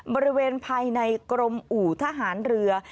บริเวณภายในกรมอู่ทหารเรือ